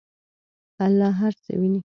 الله هر څه ویني.